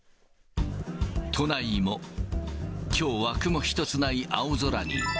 都内も、きょうは雲一つない青空に。